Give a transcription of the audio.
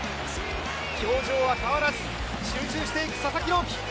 表情は変わらず集中していく佐々木朗希